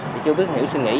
thì chưa biết hiểu suy nghĩ